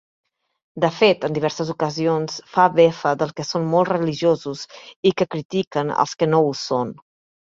De fet, en diverses ocasions fa befa dels que són molt religiosos i que critiquen els que no ho són.